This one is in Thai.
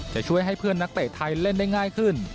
จะช่วยให้เพื่อนนักเตะไทยเล่นได้ง่ายขึ้น